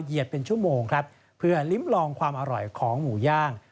เป็นชั่วโมงครับเพื่อลิ้มลองความอร่อยของหมูย่าง